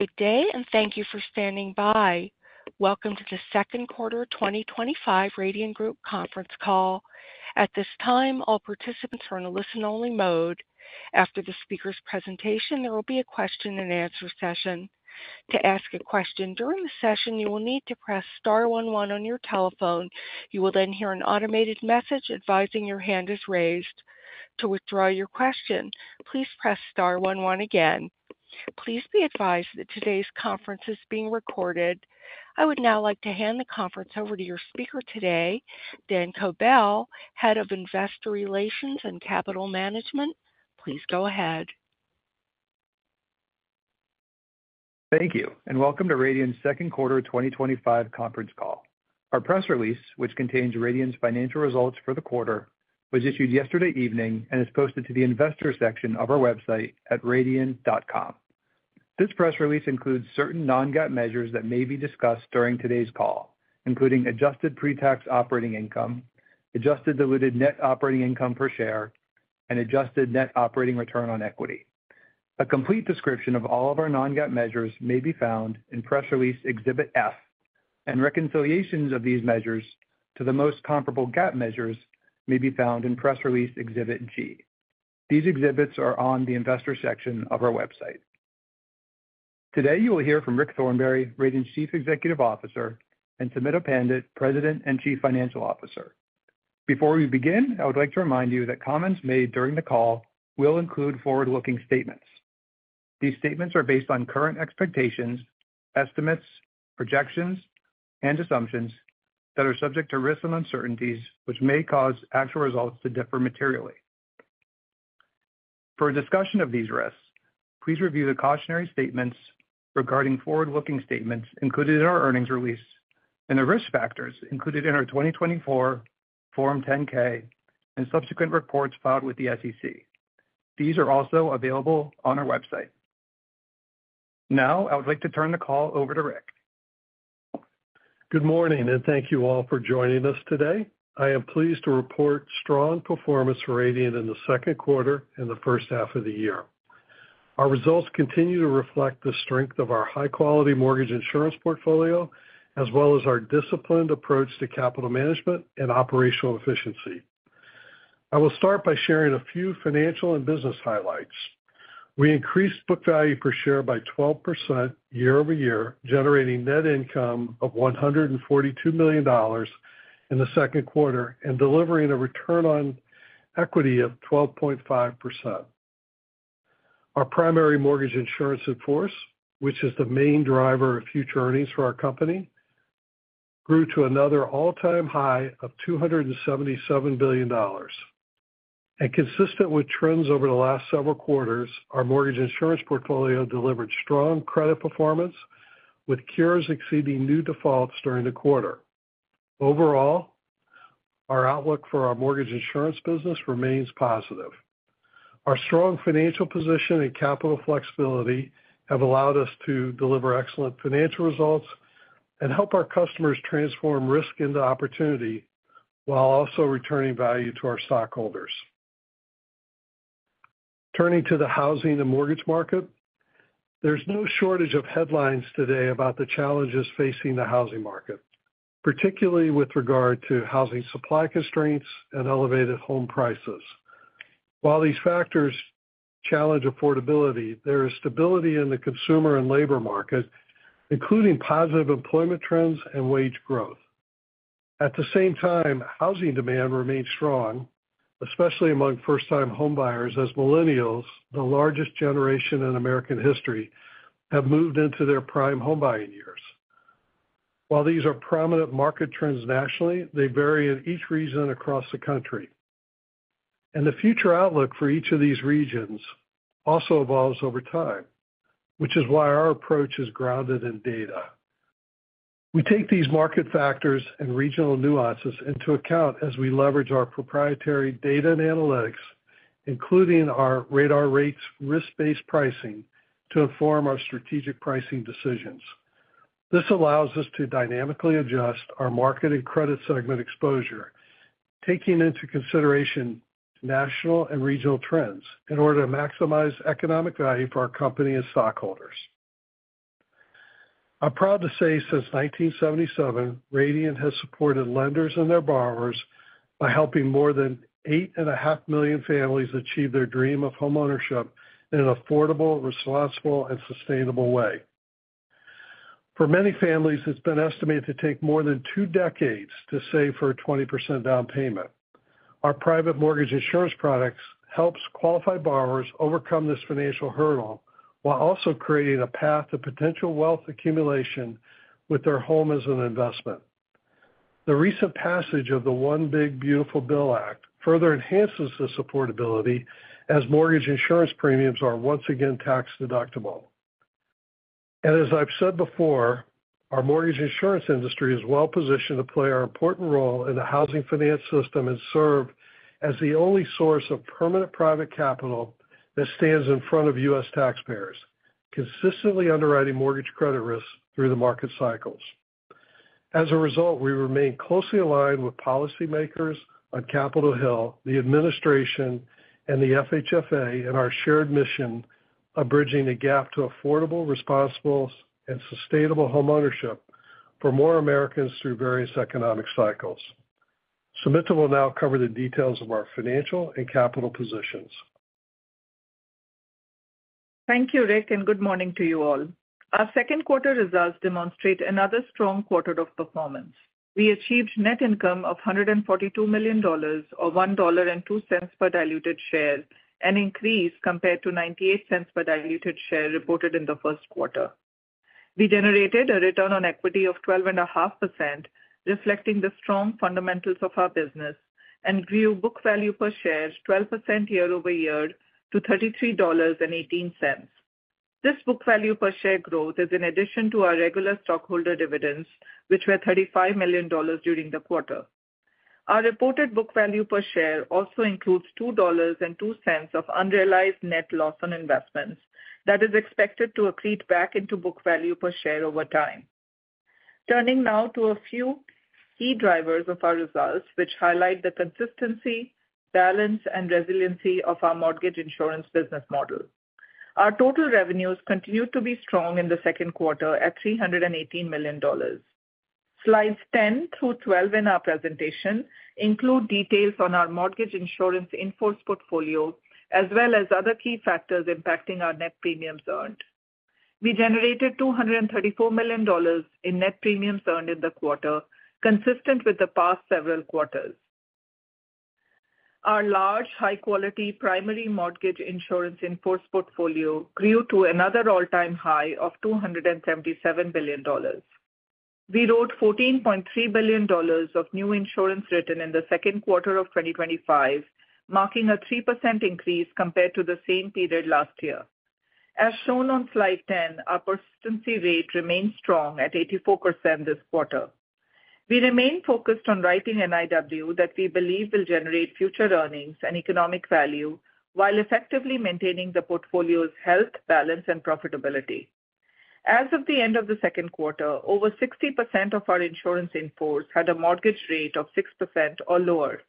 Good day and thank you for standing by. Welcome to the Second Quarter twenty twenty five Radian Group Conference Call. At this time, all participants are in a listen only mode. After the speakers' presentation, there will be a question and answer session. To ask a question during the session, you will need to press 11 on your telephone. You will then hear an automated message advising your hand is raised. To withdraw your question, please press 11 again. Please be advised that today's conference is being recorded. I would now like to hand the conference over to your speaker today, Dan Kobel, Head of Investor Relations and Capital Management. Please go ahead. Thank you, and welcome to Radian's second quarter twenty twenty five conference call. Our press release, which contains Radian's financial results for the quarter, was issued yesterday evening and is posted to the Investors section of our website at radian.com. This press release includes certain non GAAP measures that may be discussed during today's call, including adjusted pretax operating income, adjusted diluted net operating income per share and adjusted net operating return on equity. A complete description of all of our non GAAP measures may be found in press release Exhibit F and reconciliations of these measures to the most comparable GAAP measures may be found in press release Exhibit G. These exhibits are on the Investors section of our website. Today, will hear from Rick Thornberry, Raiden's Chief Executive Officer and Samit O Pandit, President and Chief Financial Officer. Before we begin, I would like to remind you that comments made during the call will include forward looking statements. These statements are based on current expectations, estimates, projections, and assumptions that are subject to risks and uncertainties, which may cause actual results to differ materially. For a discussion of these risks, please review the cautionary statements regarding forward looking statements included in our earnings release and the risk factors included in our 2024 Form 10 ks and subsequent reports filed with the SEC. These are also available on our website. Now I would like to turn the call over to Rick. Good morning and thank you all for joining us today. I am pleased to report strong performance for Radian in the second quarter and the first half of the year. Our results continue to reflect the strength of our high quality mortgage insurance portfolio, as well as our disciplined approach to capital management and operational efficiency. I will start by sharing a few financial and business highlights. We increased book value per share by 12% year over year, generating net income of $142,000,000 in the second quarter and delivering a return on equity of 12.5%. Our primary mortgage insurance in force, which is the main driver of future earnings for our company, grew to another all time high of $277,000,000,000 And consistent with trends over the last several quarters, our mortgage insurance portfolio delivered strong credit performance with cures exceeding new defaults during the quarter. Overall, our outlook for our mortgage insurance business remains positive. Our strong financial position and capital flexibility have allowed us to deliver excellent financial results and help our customers transform risk into opportunity while also returning value to our stockholders. Turning to the housing and mortgage market. There's no shortage of headlines today about the challenges facing the housing market, particularly with regard to housing supply constraints and elevated home prices. While these factors challenge affordability, there is stability in the consumer and labor market, including positive employment trends and wage growth. At the same time, housing demand remains strong, especially among first time home buyers as millennials, the largest generation in American history have moved into their prime home buying years. While these are prominent market trends nationally, they vary in each region across the country. And the future outlook for each of these regions also evolves over time, which is why our approach is grounded in data. We take these market factors and regional nuances into account as we leverage our proprietary data and analytics, including our radar rates risk based pricing to inform our strategic pricing decisions. This allows us to dynamically adjust our market and credit segment exposure, taking into consideration national and regional trends in order to maximize economic value for our company and stockholders. I'm proud to say since 1977, Radian has supported lenders and their borrowers by helping more than eight and a half million families achieve their dream of home ownership in an affordable, responsible and sustainable way. For many families, it's been estimated to take more than two decades to save for a 20% down payment. Our private mortgage insurance products helps qualified borrowers overcome this financial hurdle while also creating a path to potential wealth accumulation with their home as an investment. The recent passage of the One Big Beautiful Bill Act further enhances this affordability as mortgage insurance premiums are once again tax deductible. And as I've said before, our mortgage insurance industry is well positioned to play our important role in the housing finance system and serve as the only source of permanent private capital that stands in front of US taxpayers, consistently underwriting mortgage credit risks through the market cycles. As a result, we remain closely aligned with policymakers on Capitol Hill, the administration and the FHFA and our shared mission of bridging the gap to affordable, responsible, and sustainable homeownership for more Americans through various economic cycles. Sumitha will now cover the details of our financial and capital positions. Thank you, Rick, and good morning to you all. Our second quarter results demonstrate another strong quarter of performance. We achieved net income of $142,000,000 or $1.02 per diluted share, an increase compared to $0.98 per diluted share reported in the first quarter. We generated a return on equity of 12.5%, reflecting the strong fundamentals of our business and grew book value per share 12% year over year to $33.18 This book value per share growth is in addition to our regular stockholder dividends, which were $35,000,000 during the quarter. Our reported book value per share also includes $2.2 unrealized net loss on investments that is expected to accrete back into book value per share over time. Turning now to a few key drivers of our results, which highlight the consistency, balance, and resiliency of our mortgage insurance business model. Our total revenues continued to be strong in the second quarter at $318,000,000 Slides 10 through 12 in our presentation include details on our mortgage insurance in force portfolio, as well as other key factors impacting our net premiums earned. We generated $234,000,000 in net premiums earned in the quarter, consistent with the past several quarters. Our large, high quality primary mortgage insurance in force portfolio grew to another all time high of $277,000,000,000 We wrote $14,300,000,000 of new insurance written in the 2025, marking a 3% increase compared to the same period last year. As shown on slide 10, our persistency rate remains strong at 84% this quarter. We remain focused on writing NIW that we believe will generate future earnings and economic value while effectively maintaining the portfolio's health, balance, and profitability. As of the end of the second quarter, over 60% of our insurance in force had a mortgage rate of 6% or lower.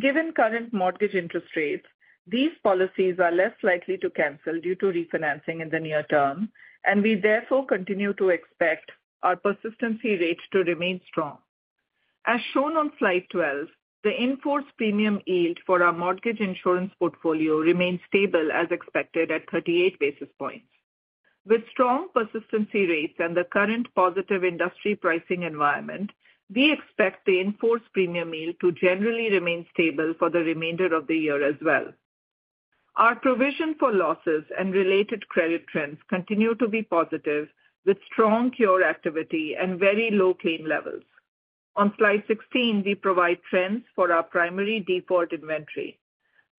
Given current mortgage interest rates, these policies are less likely to cancel due to refinancing in the near term and we therefore continue to expect our persistency rates to remain strong. As shown on slide 12, the in force premium yield for our mortgage insurance portfolio remains stable as expected at 38 basis points. With strong persistency rates and the current positive industry pricing environment, we expect the in force premium yield to generally remain stable for the remainder of the year as well. Our provision for losses and related credit trends continue to be positive, with strong cure activity and very low claim levels. On slide 16, we provide trends for our primary default inventory.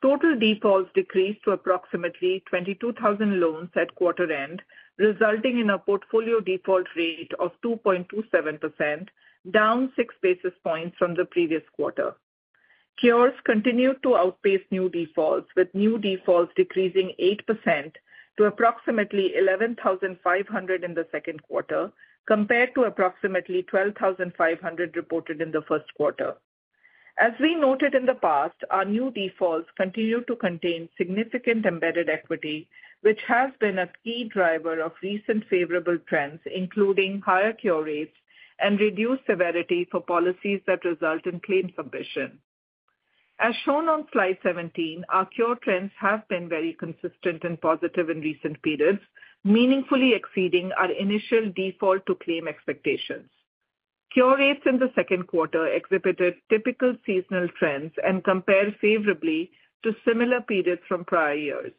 Total defaults decreased to approximately 22,000 loans at quarter end, resulting in a portfolio default rate of 2.27%, down six basis points from the previous quarter. Cures continued to outpace new defaults, with new defaults decreasing 8% to approximately $11,500 in the second quarter, compared to approximately $12,500 reported in the first quarter. As we noted in the past, our new defaults continue to contain significant embedded equity, which has been a key driver of recent favorable trends, including higher cure rates and reduced severity for policies that result in claims submission. As shown on slide 17, our cure trends have been very consistent and positive in recent periods, meaningfully exceeding our initial default to claim expectations. Cure rates in the second quarter exhibited typical seasonal trends and compared favorably to similar periods from prior years.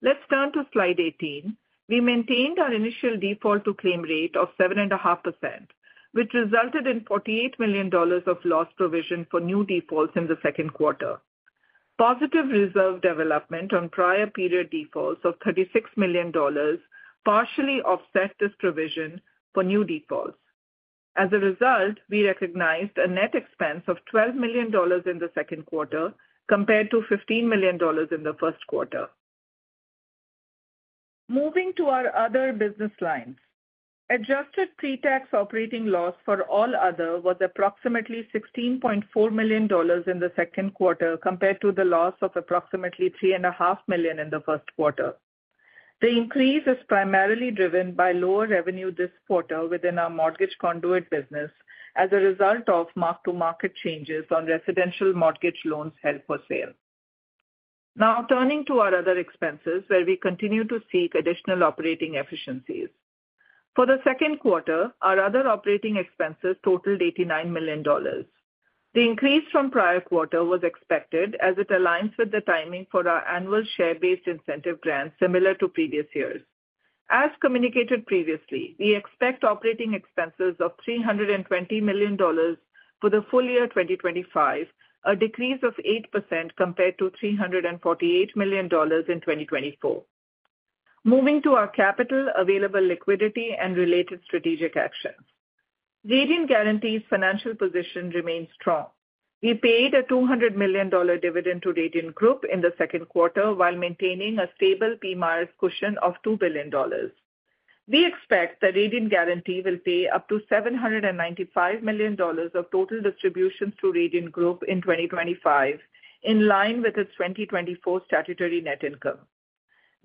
Let's turn to slide 18. We maintained our initial default to claim rate of seven point five percent, which resulted in $48,000,000 of loss provision for new defaults in the second quarter. Positive reserve development on prior period defaults of $36,000,000 partially offset this provision for new defaults. As a result, we recognized a net expense of $12,000,000 in the second quarter compared to $15,000,000 in the first quarter. Moving to our other business lines. Adjusted pre tax operating loss for All Other was approximately $16,400,000 in the Q2 compared to the loss of approximately $3,500,000 in Q1. The increase is primarily driven by lower revenue this quarter within our mortgage conduit business as a result of mark to market changes on residential mortgage loans held for sale. Now, to our other expenses where we continue to seek additional operating efficiencies. For the second quarter, our other operating expenses totaled $89,000,000 The increase from prior quarter was expected as it aligns with the timing for our annual share based incentive grant similar to previous years. As communicated previously, we expect operating expenses of $320,000,000 for the full year 2025, a decrease of 8% compared to $348,000,000 in 2024. Moving to our capital, available liquidity, and related strategic actions Radian Guaranty's financial position remains strong. We paid a $200,000,000 dividend to Radian Group in the second quarter while maintaining a stable PMIERs cushion of $2,000,000,000 We expect that Radian Guaranty will pay up to $795,000,000 of total distributions to Radian Group in 2025, in line with its 2024 statutory net income.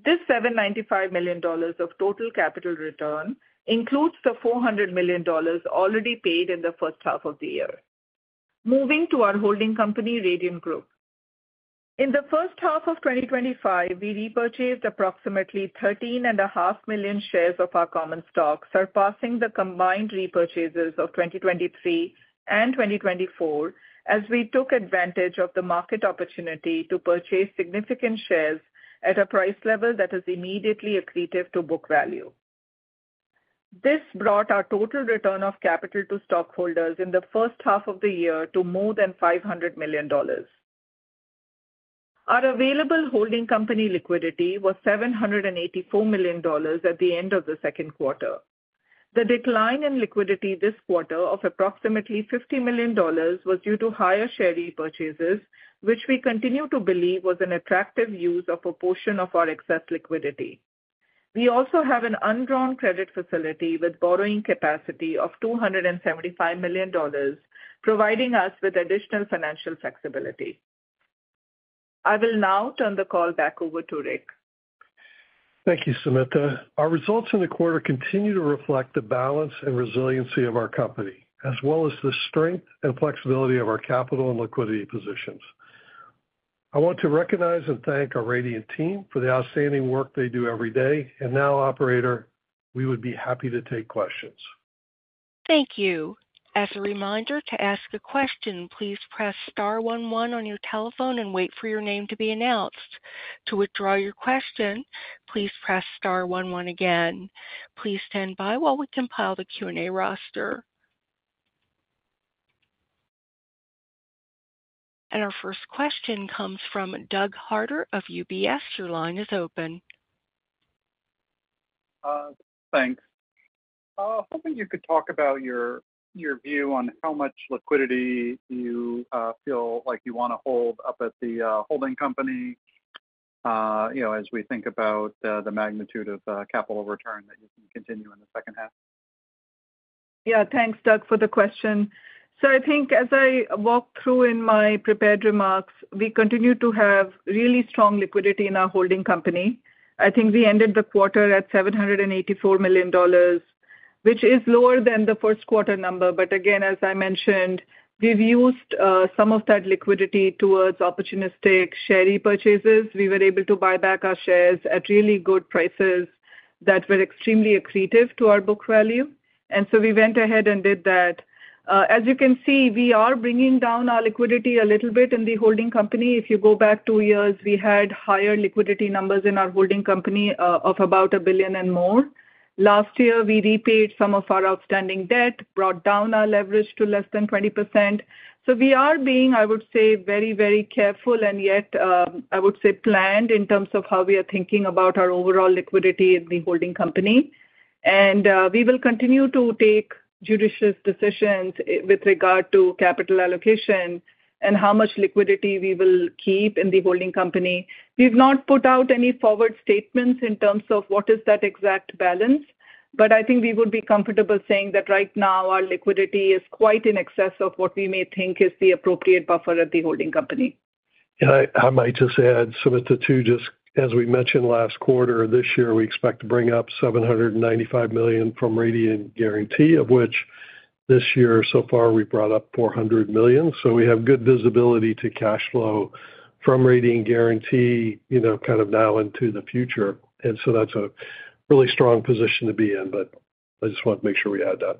This $795,000,000 of total capital return includes the $400,000,000 already paid in the first half of the year. Moving to our holding company Radian Group In the 2025, we repurchased approximately 13,500,000.0 shares of our common stock, surpassing the combined repurchases of 2023 and 2024 as we took advantage of the market opportunity to purchase significant shares at a price level that is immediately accretive to book value. This brought our total return of capital to stockholders in the first half of the year to more than $500,000,000 Our available holding company liquidity was $784,000,000 at the end of the second quarter. The decline in liquidity this quarter of approximately $50,000,000 was due to higher share repurchases, which we continue to believe was an attractive use of a portion of our excess liquidity. We also have an undrawn credit facility with borrowing capacity of $275,000,000 providing us with additional financial flexibility. I will now turn the call back over to Rick. Thank you, Samantha. Our results in the quarter continue to reflect the balance and resiliency of our company, as well as the strength and flexibility of our capital and liquidity positions. I want to recognize and thank our Radiant team for the outstanding work they do every day. And now operator, we would be happy to take questions. Thank you. As a reminder to ask a question, please press 11 on your telephone and wait for your name to be announced. To withdraw your question, please press star, 11 again. Please stand by while we compile the Q and A roster. And our first question comes from Doug Harter of UBS. Your line is open. Thanks. Was hoping you could talk about your view on how much liquidity you feel like you want to hold up at the holding company as we think about the magnitude of capital return that you can continue in the second half? Yeah, thanks, Doug, for the question. So I think as I walked through in my prepared remarks, we continue to have really strong liquidity in our holding company. I think we ended the quarter at $784,000,000 which is lower than the first quarter number. But again, as I mentioned, we've used some of that liquidity towards opportunistic share repurchases. We were able to buy back our shares at really good prices that were extremely accretive to our book value. And so, went ahead and did that. As you can see, we are bringing down our liquidity a little bit in the holding company. If you go back two years, we had higher liquidity numbers in our holding company of about 1,000,000,000 and more. Last year, we repaid some of our outstanding debt, brought down our leverage to less than 20%. So, we are being, I would say, very, very careful and yet, I would say, planned in terms of how we are thinking about our overall liquidity in the holding company. And we will continue to take judicious decisions with regard to capital allocation and how much liquidity we will keep in the holding company. We've not put out any forward statements in terms of what is that exact balance, but I think we would be comfortable saying that right now our liquidity is quite in excess of what we may think is the appropriate buffer at the holding company. I might just add, Sumitha, just as we mentioned last quarter, this year we expect to bring up $795,000,000 from Radian Guaranty of which this year so far we brought up 400,000,000. So we have good visibility to cash flow from Radian Guaranty kind of now into the future. And so that's a really strong position to be in, but I just want to make sure we add that.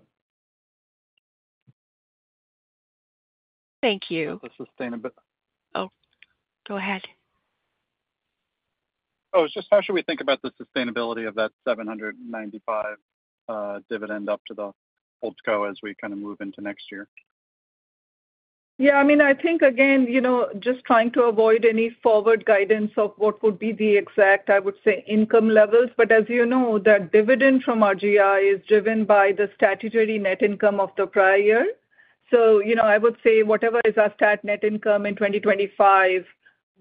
Thank you. Oh, go ahead. Oh, just how should we think about the sustainability of that $795 dividend up to the HoldCo as we kind of move into next year? Yeah, I mean, I think again, just trying to avoid any forward guidance of what would be the exact, I would say, income levels. But as you know, the dividend from RGI is driven by the statutory net income of the prior year. So, I would say whatever is our stat net income in 2025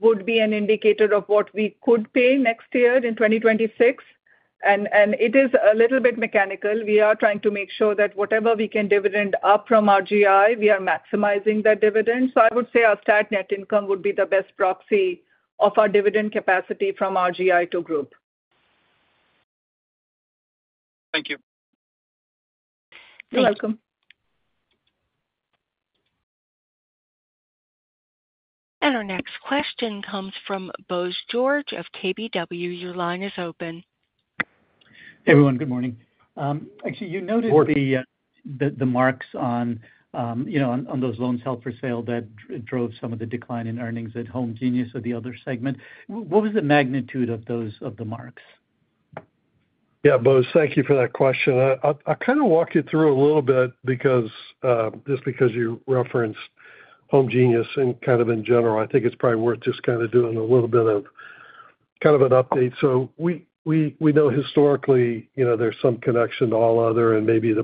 would be an indicator of what we could pay next year in 2026, and it is a little bit mechanical. We are trying to make sure that whatever we can dividend up from RGI, we are maximizing that dividend. So, I would say our stat net income would be the best proxy of our dividend capacity from our GI to group. Thank you. You're welcome. And our next question comes from Bose George of KBW. Your line is open. Hey, everyone. Good morning. You noted the marks on those loans held for sale that drove some of the decline in earnings at HomeGenius or the other segment. What was the magnitude of those of the marks? Yeah, Bose, thank you for that question. Kind of walked you through a little bit just because you referenced HomeGenius and kind of in general, I think it's probably worth just kind of doing a little bit of kind of an update. So know historically, there's some connection to All Other and maybe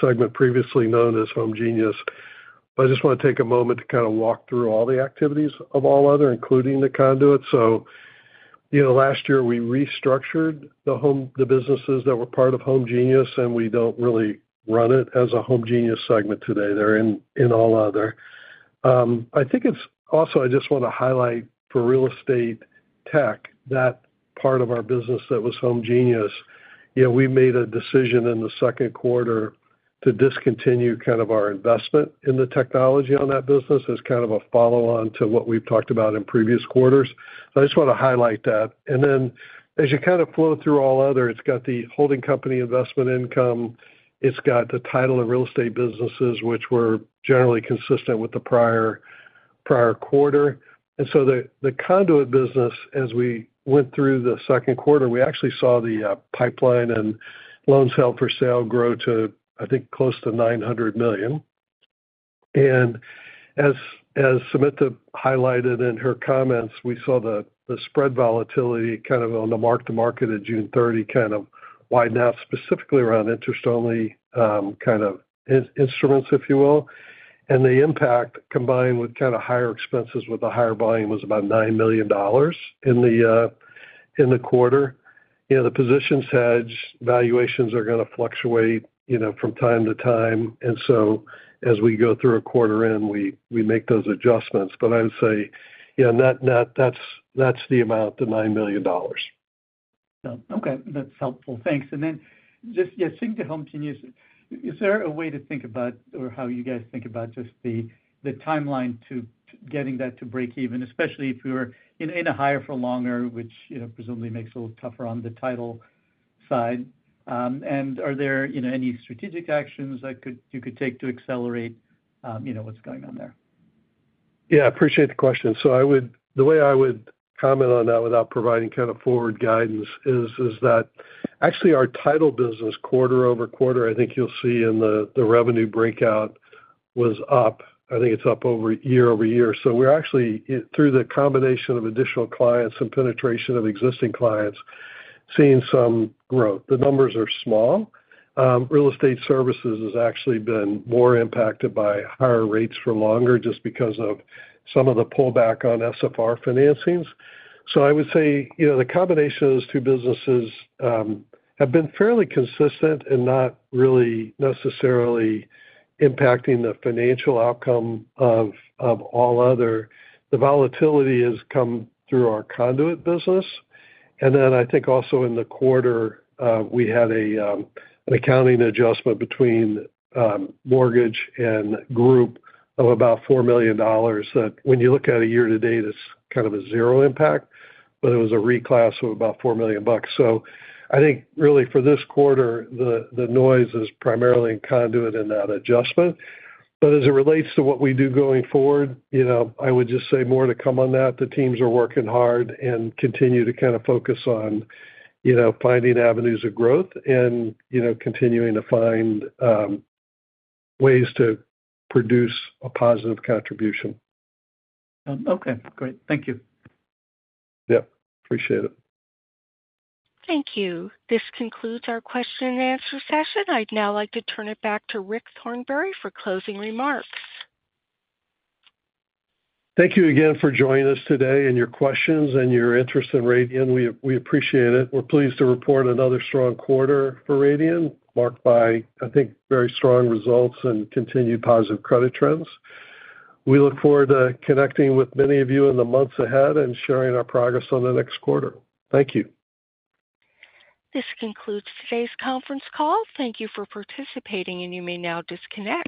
segment previously known as HomeGenius. But I just want to take a moment to kind of walk through all the activities of All Other, including the conduit. So last year we restructured the businesses that were part of HomeGenius and we don't really run it as a HomeGenius segment today. They're in all other. I think it's also, I just want to highlight for real estate tech that part of our business that was HomeGenius. We made a decision in the second quarter to discontinue kind of our investment in the technology on that business as kind of a follow on to what we've talked about in previous quarters. I just want to highlight that. And then as you kind of flow through all other, it's got the holding company investment income. It's got the title of real estate businesses, which were generally consistent with the quarter. And so the conduit business, as we went through the second quarter, we actually saw the pipeline and loans held for sale grow to, I think, close to 900,000,000. And as Samantha highlighted in her comments, we saw the spread volatility kind of on the mark to market at June 30 kind of why now specifically around interest only kind of instruments, if you will. And the impact combined with kind of higher expenses with a higher volume was about $9,000,000 in the quarter. The positions hedge valuations are going to fluctuate from time to time. And so as we go through a quarter end, we make those adjustments. But I would say, net net, that's the amount, the $9,000,000 Okay, that's helpful. Thanks. And then just, yes, Syngti Helm, can you is there a way to think about or how you guys think about just the timeline to getting that to breakeven, especially if we were in a hire for longer, which presumably makes a little tougher on the title side? And are there any strategic actions you could take to accelerate what's going on there? Yeah, I appreciate the question. So the way I would comment on that without providing kind of forward guidance is that actually our title business quarter over quarter, I think you'll see in the revenue breakout was up. I think it's up over year over year. So we're actually through the combination of additional clients and penetration of existing clients, seeing some growth. The numbers are small. Real estate services has actually been more impacted by higher rates for longer just because of some of the pullback on SFR financings. So I would say, the combination of those two businesses have been fairly consistent and not really necessarily impacting the financial outcome of all other. The volatility has come through our conduit business. And then I think also in the quarter, had accounting adjustment between mortgage and group of about $4,000,000 that when you look at a year to date, it's kind of a zero impact, but it was a reclass of about $4,000,000. So I think really for this quarter, noise is primarily in conduit in that adjustment. But as it relates to what we do going forward, I would just say more to come on that. The teams are working hard and continue to kind of focus finding avenues of growth and continuing to find ways to produce a positive contribution. Okay, great. Thank you. Yep, appreciate it. Thank you. This concludes our question and answer session. I'd now like to turn it back to Rick Thornberry for closing remarks. Thank you again for joining us today and your questions and your interest in Radian. We appreciate it. We're pleased to report another strong quarter for Radian marked by, I think very strong results and continued positive credit trends. We look forward to connecting with many of you in the months ahead and sharing our progress on the next quarter. Thank you. This concludes today's conference call. Thank you for participating and you may now disconnect.